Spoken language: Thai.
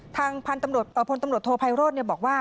ทางพลตำรวจโทรไพโรดเนี่ยบอกว่า